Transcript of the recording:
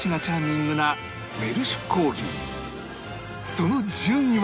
その順位は